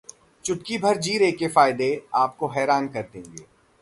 चुटकीभर जीरे के ये फायदे आपको हैरान कर देंगे